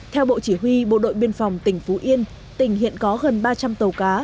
theo bộ chỉ huy bộ đội biên phòng tỉnh phú yên tỉnh hiện có gần ba trăm linh tàu cá